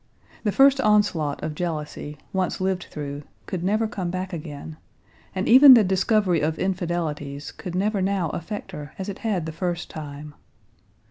The first onslaught of jealousy, once lived through, could never come back again, and even the discovery of infidelities could never now affect her as it had the first time.